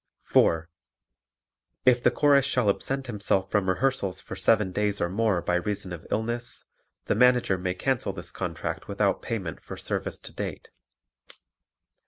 4. If the Chorus shall absent himself from rehearsals for seven days or more by reason of illness, the Manager may cancel this contract without payment for service to date.